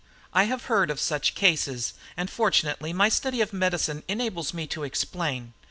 I have heard of such cases, and fortunately my study of medicine enables me to explain.